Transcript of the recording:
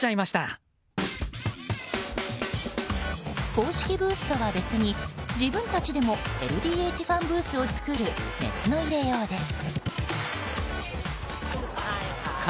公式ブースとは別に自分たちでもＬＤＨファンブースを作る熱の入れようです。